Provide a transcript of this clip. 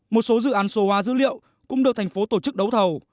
một số dự án số hóa dữ liệu cũng được thành phố tổ chức đấu thầu